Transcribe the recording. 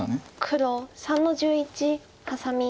黒３の十一ハサミ。